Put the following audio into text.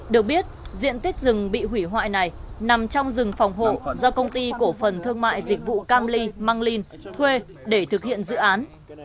được biết diện tích rừng bị hủy hoại này nằm trong rừng phòng hộ do công ty cổ phần thương mại dịch vụ cam ly măng linh thuê để thực hiện dự án